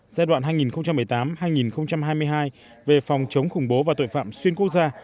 giai đoạn hai nghìn một mươi tám hai nghìn hai mươi hai về phòng chống khủng bố và tội phạm xuyên quốc gia